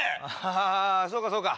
あぁそうかそうか。